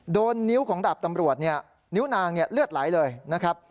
โดนนิ้วของดาบตำรวจเนี่ยนิ้วนางเลือดไหลเลยนะครับ